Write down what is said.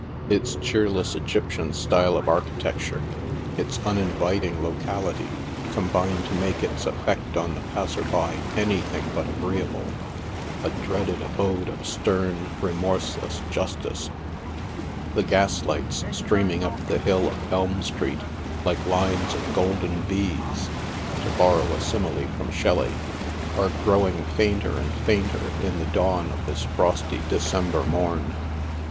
Its cheerless Egyptian style of archi tecture, its uninviting locality, combine to make its effect on the passer by anything but agreeable — a dreaded abode of stern, re morseless justice. The gaslights streaming up the hill of Elm street, like lines of golden bees — to borrow a simile from Shelly — are growing fainter and fainter in the dawn of this frosty December morn.